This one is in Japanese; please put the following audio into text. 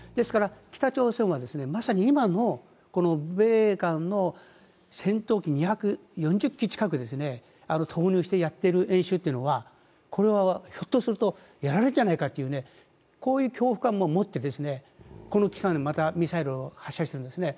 北朝鮮はまさに今の、米韓の、戦闘機を２００機も投入してやっている演習というのは、ひょっとしてやられるんじゃないかというこういう恐怖感も持って、この期間、またミサイルを発射しているんですね。